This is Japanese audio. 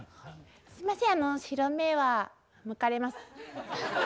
すいません白目はむかれます。